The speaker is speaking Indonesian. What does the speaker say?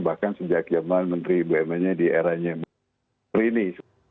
bahkan sejak zaman menteri bumn nya di eranya burini